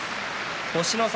星の差